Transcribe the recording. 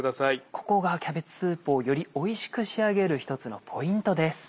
ここがキャベツスープをよりおいしく仕上げる１つのポイントです。